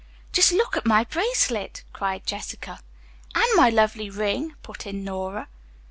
"Just look at my bracelet!" cried Jessica. "And my lovely ring!" put in Nora.